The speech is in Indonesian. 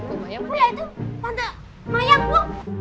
oh ya itu tante mayang bu